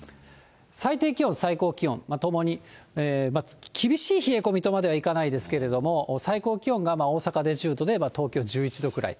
最低気温、最高気温、ともに厳しい冷え込みとまではいかないですけれども、最高気温が大阪で１０度で、東京１１度くらいと。